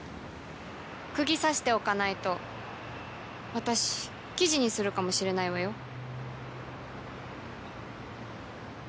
くぎ刺しておかないと私記事にするかもしれないわよ。